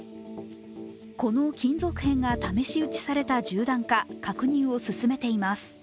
この金属片が試し撃ちされた銃弾か確認を進めています。